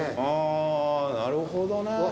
あーなるほどね。